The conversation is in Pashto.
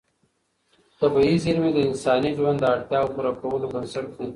طبیعي زېرمې د انساني ژوند د اړتیاوو پوره کولو بنسټ دي.